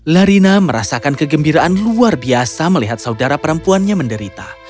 larina merasakan kegembiraan luar biasa melihat saudara perempuannya menderita